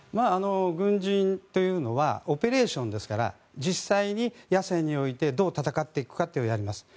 軍人というのはオペレーションですから実際に野戦においてどう戦っていくかというのがあります。